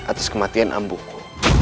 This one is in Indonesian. atas kematian ambuhku